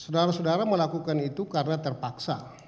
sudara sudara melakukan itu karena terpaksa